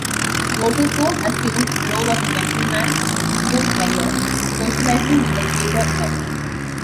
Doto soon assumed the role of a gentleman bootlegger, socializing with the theater elite.